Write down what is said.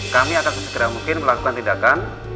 kami akan segera mungkin melakukan tindakan